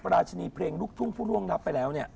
ราชินีเพลงลูกทุ่งผู้ล่วงรับไปแล้ว